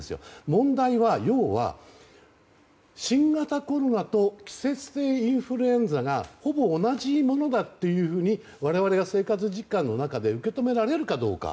問題は、要は新型コロナと季節性インフルエンザがほぼ同じものだというふうに我々が生活実感の中で受け止められるかどうか。